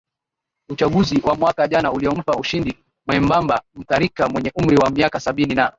uchaguzi wa mwaka jana uliompa ushindi mwembamba Mutharika mwenye umri wa miaka sabini na